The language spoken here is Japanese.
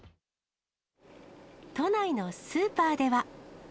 都内のスーパーでは。